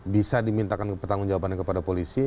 bisa dimintakan pertanggung jawabannya kepada polisi